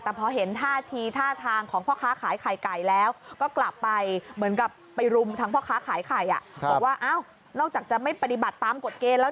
แต่พอเห็นท่าทางของพ่อค้าขายไข่ไก่แล้ว